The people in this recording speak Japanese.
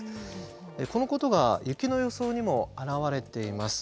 このことが雪の予想にも表れています。